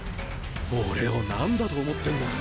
俺を何だと思ってんだ。